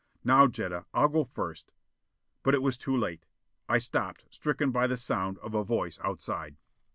"Now, Jetta. I'll go first " But it was too late! I stopped, stricken by the sound of a voice outside!